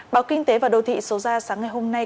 báo kinh tế và đô thị số ra sáng ngày hôm nay